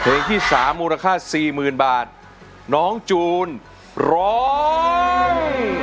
เพลงที่๓มูลค่า๔๐๐๐๐บาทน้องจูนร้อง